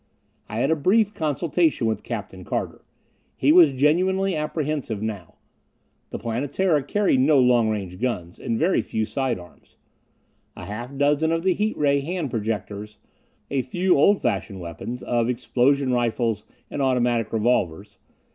I had a brief consultation with Captain Carter. He was genuinely apprehensive now. The Planetara carried no long range guns, and very few side arms. A half dozen of the heat ray hand projectors; a few old fashioned weapons of explosion rifles and automatic revolvers.